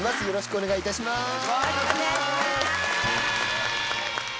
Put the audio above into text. よろしくお願いします。